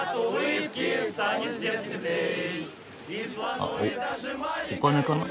あっおお金かな？